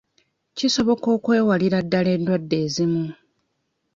Kisoboka okwewalira ddala endwadde ezimu.